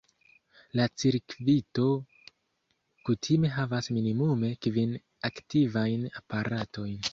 La cirkvito kutime havas minimume kvin aktivajn aparatojn.